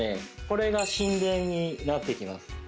これが心電になってきます。